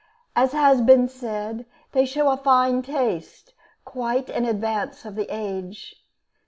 As has been said, they show a fine taste, quite in advance of the age.